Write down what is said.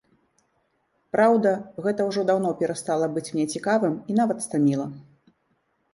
Праўда, гэта ўжо даўно перастала быць мне цікавым і нават стаміла.